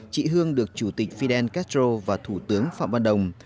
chị hương được chủ tịch fidel castro và thủ tướng phạm văn đồng